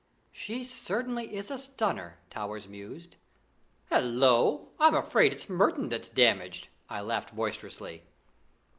"She certainly is a stunner," Towers mused. "Hullo! I'm afraid it's Merton that's damaged," I laughed boisterously.